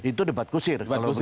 itu debat kusir